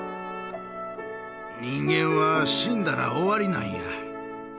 人間は死んだら終わりなんや。